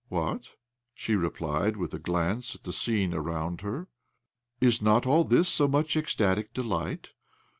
" What ?" she replied with a glance at the scene around her. " Is not all this so much ecstatic delight